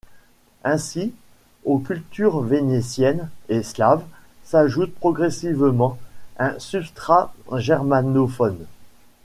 Ainsi, aux cultures vénitienne et slave, s'ajoute progressivement un substrat germanophone.